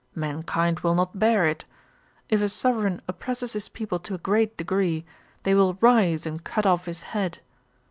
Mankind will not bear it. If a sovereign oppresses his people to a great degree, they will rise and cut off his head.